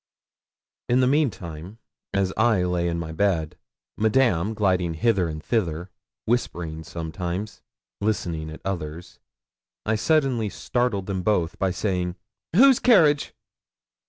In the meantime, as I lay in my bed, Madame, gliding hither and thither, whispering sometimes, listening at others, I suddenly startled them both by saying 'Whose carriage?'